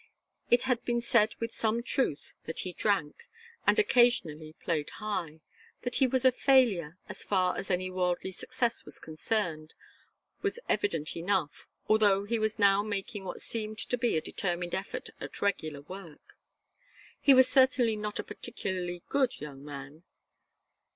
It had been said with some truth that he drank and occasionally played high; that he was a failure, as far as any worldly success was concerned, was evident enough, although he was now making what seemed to be a determined effort at regular work. He was certainly not a particularly good young man.